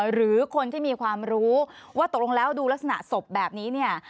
หรือคนที่มีความรู้ว่าตกลงแล้วดูลักษณะศพแบบนี้เนี่ย